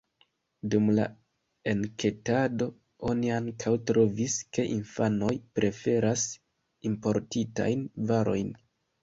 Dum la enketado oni ankaŭ trovis, ke infanoj preferas importitajn varojn.